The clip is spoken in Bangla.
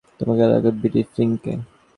তোর লাগবে বিলি ফ্লিনকে।